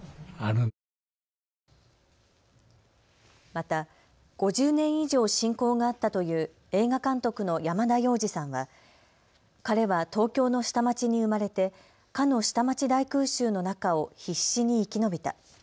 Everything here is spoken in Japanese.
また５０年以上、親交があったという映画監督の山田洋次さんは彼は東京の下町に生まれてかの下町大空襲の中を必死に生き延びた。